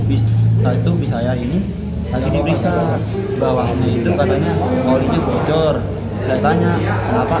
bisa itu bisa ya ini lagi diperiksa bawahnya itu katanya kalau ini bocor tanya kenapa ah